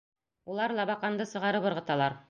Улар Лабаҡанды сығарып ырғыталар.